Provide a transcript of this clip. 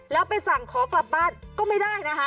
แล้วไปสั่งขอกลับบ้านก็ไม่ได้นะคะ